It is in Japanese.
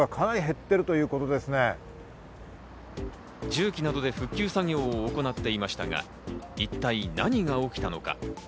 重機などで復旧作業を行っていましたが、一体、何が起きたのか？